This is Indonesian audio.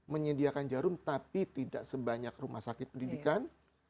menyediakan jarum tapi tidak sebanyak rumah sakit pendidikan